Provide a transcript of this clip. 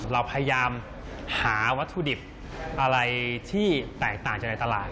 เราพยายามหาวัตถุดิบอะไรที่แตกต่างจากในตลาด